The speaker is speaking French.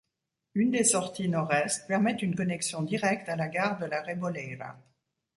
Une des sorties nord-est permet une connexion directe à la Gare de la Reboleira.